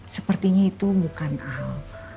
sepertinya itu bukan al